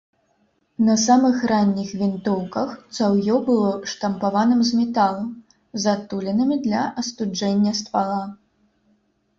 На самых ранніх вінтоўках цаўё было штампаваным з металу, з адтулінамі для астуджэння ствала.